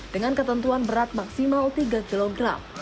dengan ketentuan berat maksimal tiga kg